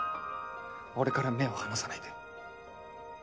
俺から目を離さないで。